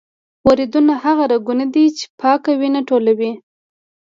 وریدونه هغه رګونه دي چې پاکه وینه ټولوي.